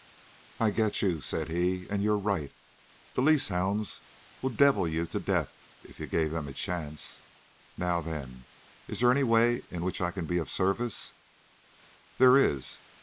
"I get you," said he. "And you're right. The lease hounds would devil you to death if you gave them a chance. Now then, if there's any way in which I can be of service " "There is."